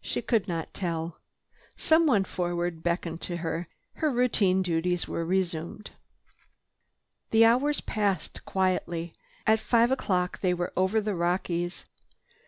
She could not tell. Someone forward beckoned to her. Routine duties were resumed. The hours passed quietly. At five o'clock they were over the Rockies.